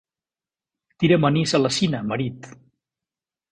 Tira'm anís a la sina, marit.